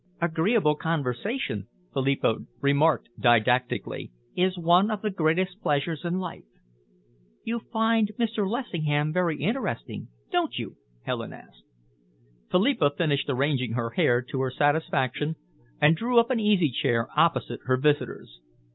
"Agreeable conversation," Philippa remarked didactically, "is one of the greatest pleasures in life." "You find Mr. Lessingham very interesting, don't you?" Helen asked. Philippa finished arranging her hair to her satisfaction and drew up an easy chair opposite her visitor's.